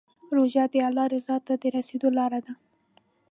روژه د الله رضا ته د رسېدو لاره ده.